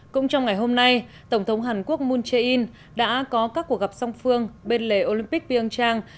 cũng trong ngày hôm nay tổng thống hàn quốc moon jae in đã có các cuộc gặp song phương bên lề olympic ping trang